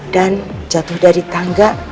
dan jatuh dari tangga